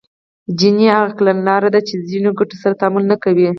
جیني هغه کړنلاره چې ځینو ګټو سره تعامل نه کوي